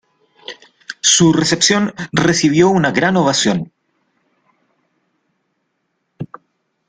Su recepción recibió una gran ovación.